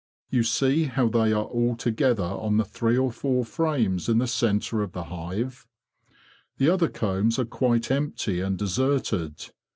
You see how they are all together on the three or four frames in the centre of the hive? The other combs are quite empty and deserted.